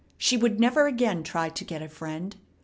She would never again try to get a friend.